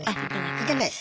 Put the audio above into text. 行ってないです。